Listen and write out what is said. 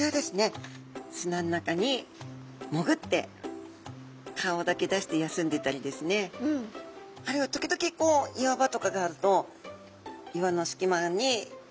砂の中にもぐって顔だけ出して休んでたりですねあるいは時々こう岩場とかがあると岩のすきまにかくれて暮らしていたり。